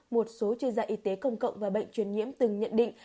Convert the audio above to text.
một số chuyên gia y tế công cộng và bệnh truyền nhiễm từng nhận định